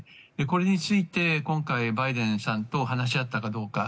これについて今回バイデンさんと話し合ったかどうか。